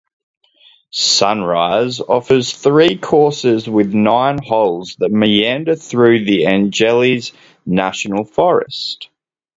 "Sunrise" offers three courses with nine holes that meander throughout the Angeles National Forest.